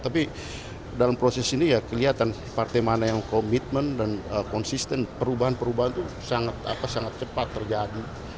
tapi dalam proses ini ya kelihatan partai mana yang komitmen dan konsisten perubahan perubahan itu sangat cepat terjadi